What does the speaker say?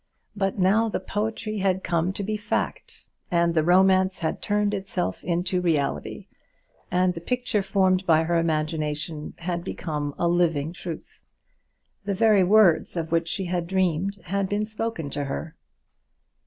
But now the poetry had come to be fact, and the romance had turned itself into reality, and the picture formed by her imagination had become a living truth. The very words of which she had dreamed had been spoken to her.